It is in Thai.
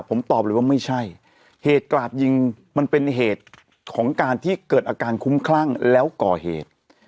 ผมตอบเลยว่าไม่ใช่เหตุกราดยิงมันเป็นเหตุของการที่เกิดอาการคุ้มคลั่งแล้วก่อเหตุ